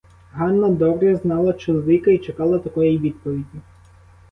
Ганна добре знала чоловіка і чекала такої відповіді.